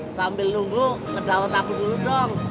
sambil nunggu ke daun taku dulu dong